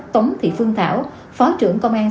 tống thị phương thảo phó trưởng công an